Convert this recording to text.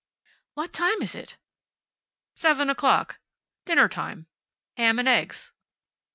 "What time is it?" "Seven o'clock. Dinner time. Ham and eggs."